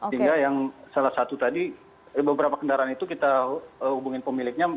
sehingga yang salah satu tadi beberapa kendaraan itu kita hubungin pemiliknya